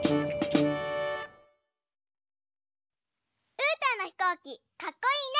うーたんのひこうきかっこいいね！